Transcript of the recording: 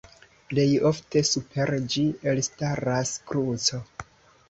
Plej ofte super ĝi elstaras kruco.